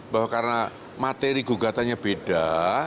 bahwa karena materi gugatannya beda